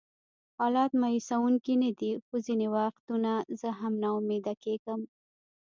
حالات مایوسونکي نه دي، خو ځینې وختونه زه هم ناامیده کېږم.